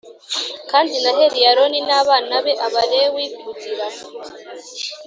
Kandi nahereye Aroni n abana be Abalewi kugira